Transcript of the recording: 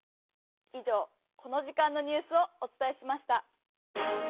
い上このじかんのニュースをおつたえしました。